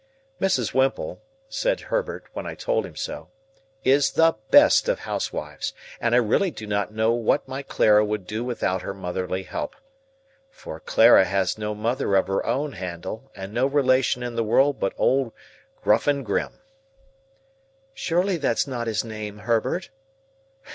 "Mrs. Whimple," said Herbert, when I told him so, "is the best of housewives, and I really do not know what my Clara would do without her motherly help. For, Clara has no mother of her own, Handel, and no relation in the world but old Gruffandgrim." "Surely that's not his name, Herbert?"